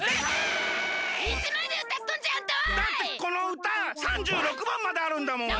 だってこのうた３６番まであるんだもん。